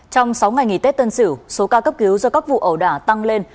trong sáu ngày nghỉ tết tân sửu số ca cấp cứu do các vụ ẩu đả tăng lên